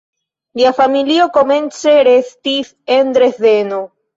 Lia familio komence restis en Dresdeno.